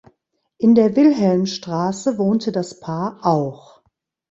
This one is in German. In der Wilhelmstraße wohnte das Paar auch.